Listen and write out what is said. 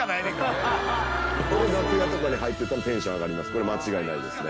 「これ間違いないですね」